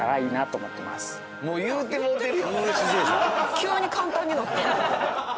急に簡単になって。